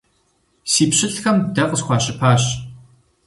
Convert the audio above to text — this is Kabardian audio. Си пщылӀхэм дэ къысхуащыпащ!